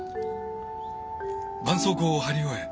ばんそうこうを貼り終え